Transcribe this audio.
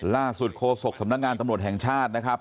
โคศกสำนักงานตำรวจแห่งชาตินะครับ